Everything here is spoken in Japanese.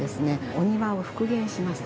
お庭を復元しました。